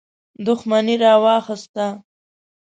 دښمني راواخیسته.